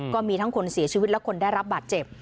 ก็มีทั้งคนเสียชีวิตและคนได้รับบาดเจ็บ